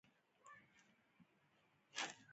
ده ورته وویل چې دا ښځه څه شوې ده.